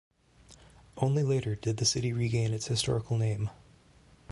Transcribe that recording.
Only later did the city regain its historical name.